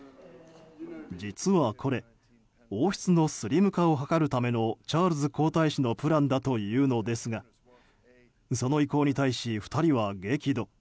実はこれ王室のスリム化を図るためのチャールズ皇太子のプランだというのですがその意向に対し、２人は激怒。